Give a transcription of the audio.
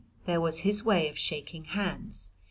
There was his way of shaking hands.